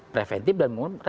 preventif dan mengumpulkan